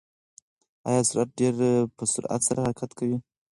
ایا ساعت ډېر په سرعت سره حرکت کوي؟